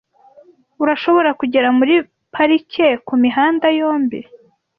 Urashobora kugera muri parike kumihanda yombi.